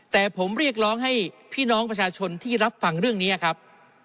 แต่ผมเรียกร้องให้พี่น้องประชาชนที่รับฟังเรื่องนี้ครับ